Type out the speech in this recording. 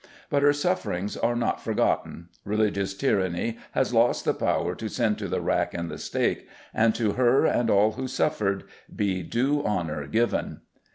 But her sufferings are not forgotten; religious tyranny has lost the power to send to the rack and the stake, and to her, and all who suffered, be due honour given.